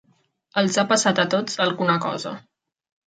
Els ha passat a tots alguna cosa.